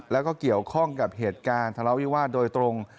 แล้วก็เกี่ยวข้องกับเหตุการณ์ทะเลาวิวาสโดยตรง